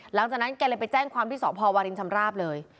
หลังจากนั้นแกเลยไปแจ้งความที่สพวารินชำราบเลย